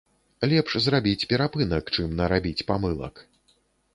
Лепш зрабіць перапынак, чым нарабіць памылак.